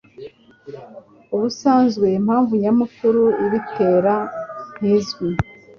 Ubusanzwe impamvu nyamukuru ibitera ntizwi